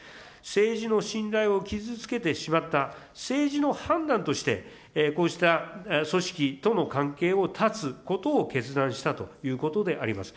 政治の信頼を傷つけてしまった、政治の判断として、こうした組織との関係を断つことを決断したということであります。